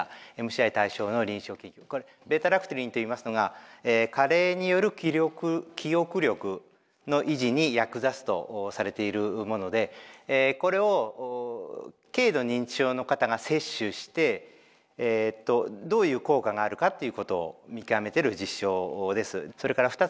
これβラクトリンといいますのが加齢による気力記憶力の維持に役立つとされているものでこれを軽度認知症の方が摂取してどういう効果があるかっていうことを見極めてる実証です。